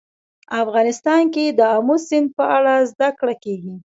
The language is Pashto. افغانستان کې د آمو سیند په اړه زده کړه کېږي.